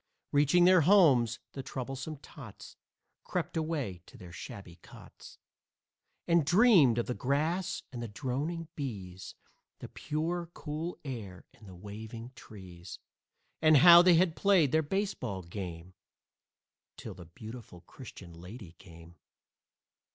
Reaching their homes, the troublesome tots Crept away to their shabby cots And dreamed of the grass and the droning bees, The pure, cool air and the waving trees, And how they had played their baseball game Till the Beautiful Christian Lady came.